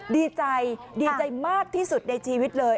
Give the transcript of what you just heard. ดีใจดีใจมากที่สุดในชีวิตเลย